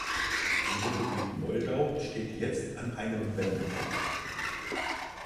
Die Republik Moldau steht jetzt an einem Wendepunkt.